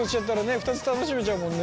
２つ楽しめちゃうもんね。